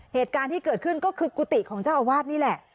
เหตุการณ์ที่เกิดขึ้นก็คือกุฏิของเจ้าอาวาสนี่แหละ